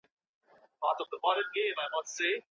بېړۍ به راشي